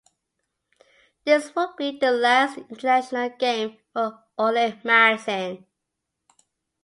This would be the last international game for Ole Madsen.